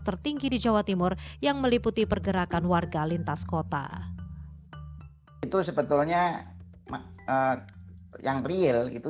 tertinggi di jawa timur yang meliputi pergerakan warga lintas kota itu sebetulnya yang real itu